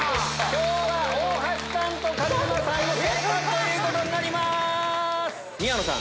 今日は大橋さんと上沼さんの折半ということになります。